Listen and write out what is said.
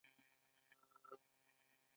آیا خلک په بانکونو باور لري؟